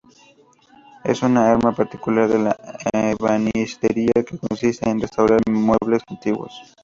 Es una rama particular de la ebanistería, que consiste en restaurar muebles antiguos.